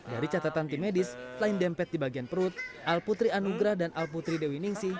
dari catatan tim medis lain dempet di bagian perut al putri anugrah dan al putri dewi ningsi